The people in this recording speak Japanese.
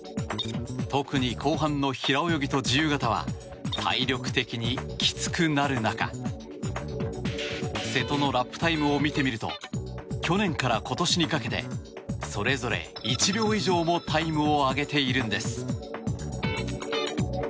特に、後半の平泳ぎと自由形は体力的にきつくなる中瀬戸のラップタイムを見てみると去年から今年にかけてそれぞれ１秒以上もタイムを上げているんです。